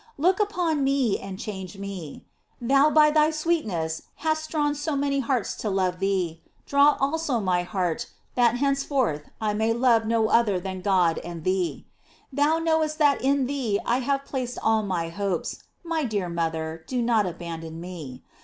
Look upon me and change me. Thou, by thy sweet ness, hast drawn so many hearts to love thee, draw also my heart, that henceforth I may love no other than God and thee. Thou knowest that in thee I have placed all my hopes; my dear moth er, do riot abandon me.